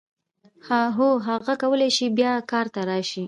هو هغه کولای شي بیا کار ته راشي.